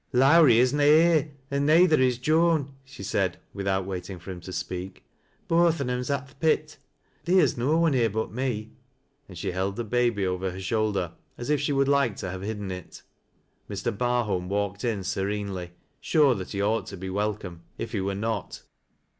" Lowrie is na here, an' neyther is Joan," she said, ^vilh oat waiting for him to speak. " Both on 'em's at th' pit Theer's no one here but me," and she held the baby ovei her shoulder, as if she would like to have hidden it. Mr. Barholm walked in serenely, sure that he ought te be welcome, if he were not.